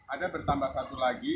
ada bertambah satu lagi